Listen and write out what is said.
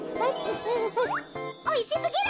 おいしすぎる。